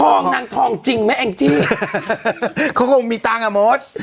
ทองนางทองจริงไหมเองจิเขาก็คงมีตังอ่ะโมด